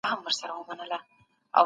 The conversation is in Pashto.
د حقيقي عايد ډېرښت څه ګټې لري؟